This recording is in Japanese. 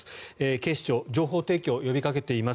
警視庁情報提供を呼びかけています。